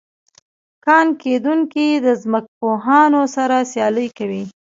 کان کیندونکي د ځمکپوهانو سره سیالي کوي